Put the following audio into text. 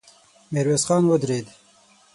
ميرويس خان ودرېد.